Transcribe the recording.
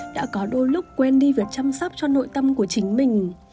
đã có đôi lúc quên đi việc chăm sóc cho nội tâm của chính mình